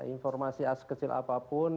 informasi as kecil apapun